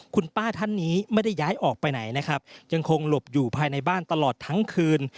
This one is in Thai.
คุณป้าท่านนี้ไม่ได้ย้ายออกไปไหนนะครับยังคงหลบอยู่ภายในบ้านตลอดทั้งคืน